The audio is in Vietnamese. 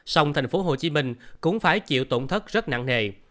sông thành phố hồ chí minh cũng phải chịu tổn thất rất nặng nề